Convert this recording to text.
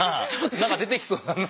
なんか出てきそうだな。